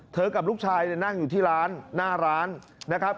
กับลูกชายนั่งอยู่ที่ร้านหน้าร้านนะครับ